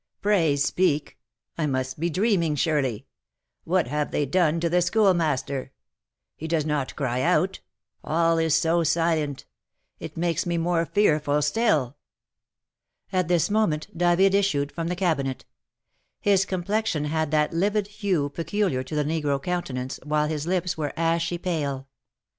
Pray speak; I must be dreaming, surely. What have they done to the Schoolmaster? He does not cry out, all is so silent; it makes me more fearful still!" At this moment David issued from the cabinet; his complexion had that livid hue peculiar to the negro countenance, while his lips were ashy pale.